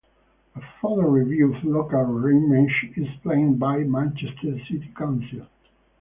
A further review of local arrangements is planned by Manchester City Council.